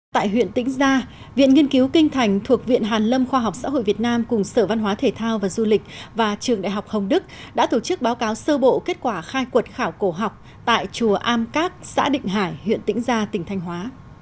tại huyện tĩnh gia viện nghiên cứu kinh thành thuộc viện hàn lâm khoa học xã hội việt nam cùng sở văn hóa thể thao và du lịch và trường đại học hồng đức đã tổ chức báo cáo sơ bộ kết quả khai quật khảo cổ học tại chùa am các xã định hải huyện tĩnh gia tỉnh thanh hóa